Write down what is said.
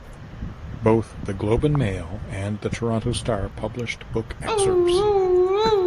Both "The Globe and Mail" and the "Toronto Star" published book excerpts.